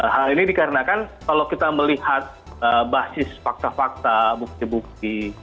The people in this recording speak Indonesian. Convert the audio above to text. hal ini dikarenakan kalau kita melihat basis fakta fakta bukti bukti